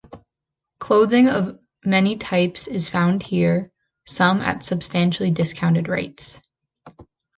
Clothing of many types is found here, some at substantially discounted rates.